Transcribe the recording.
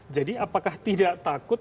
jadi apakah tidak takut